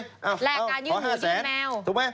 แรกกันยึดหูดิงแมว